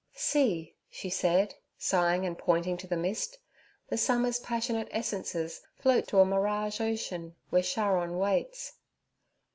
'See' she said, sighing and pointing to the mist, 'the summer's passionate essences float to a mirage ocean where Charon waits.'